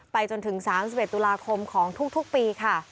จนถึง๓๑ตุลาคมของทุกปีค่ะ